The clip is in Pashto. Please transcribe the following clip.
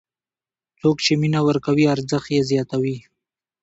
څوک چې مینه ورکوي، ارزښت یې زیاتوي.